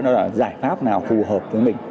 đó là giải pháp nào phù hợp với mình